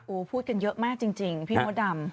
พูดกันเยอะมากจริงพี่มดดำ